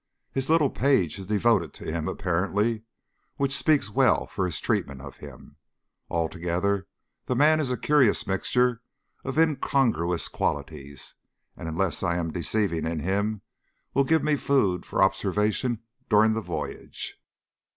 His little page is devoted to him, apparently, which speaks well for his treatment of him. Altogether, the man is a curious mixture of incongruous qualities, and unless I am deceived in him will give me food for observation during the voyage.